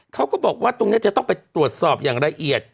เขาก็บอกว่าตรงนี้จะต้องไปตรวจสอบอย่างละเอียด